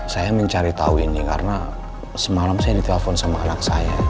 saya mencari tahu ini karena semalam saya ditelepon sama anak saya